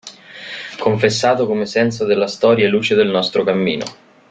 Confessato come senso della storia e luce del nostro cammino.